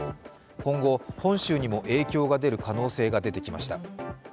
今後、本州にも影響が出る可能性が出てきました。